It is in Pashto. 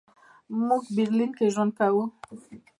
موږ برلین کې ژوند کوو.